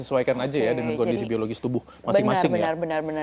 sesuaikan aja ya dengan kondisi biologis tubuh masing masing ya